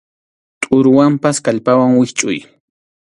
Tʼuruwanpas kallpawan wischʼuy.